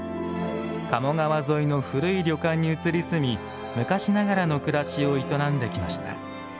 鴨川沿いの古い旅館に移り住み昔ながらの暮らしを営んできました。